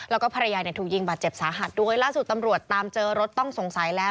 แล้วก็ภรรยาเนี่ยถูกยิงบาดเจ็บสาหัสด้วยล่าสุดตำรวจตามเจอรถต้องสงสัยแล้ว